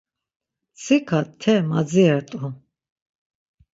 Mtsika te madziret̆u.